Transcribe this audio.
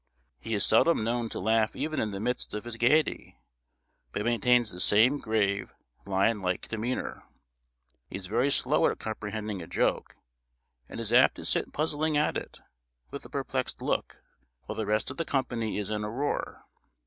He is seldom known to laugh even in the midst of his gaiety; but maintains the same grave, lion like demeanour. He is very slow at comprehending a joke; and is apt to sit puzzling at it, with a perplexed look, while the rest of the company is in a roar.